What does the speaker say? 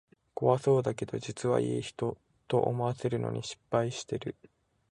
怖そうだけど実はいい人、と思わせるのに失敗してる